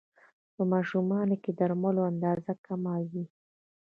په ماشومانو کې د درملو اندازه کمه وي.